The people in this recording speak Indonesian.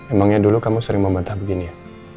emangnya dulu kamu sering membatah begini ya